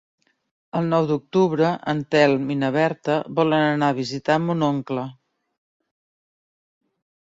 El nou d'octubre en Telm i na Berta volen anar a visitar mon oncle.